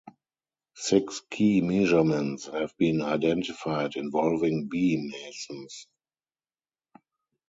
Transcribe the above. Six key measurements have been identified involving B mesons.